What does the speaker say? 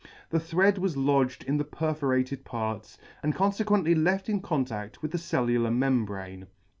The thread was lodged in the perforated parts, and confequently left in contact with the cellular membrane.